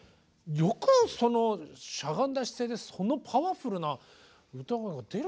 よくそのしゃがんだ姿勢でそのパワフルな歌声が出るなと思って。